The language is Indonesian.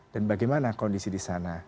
dan bagaimana kondisi di sana